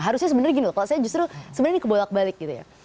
harusnya sebenarnya gini loh kalau saya justru sebenarnya ini kebolak balik gitu ya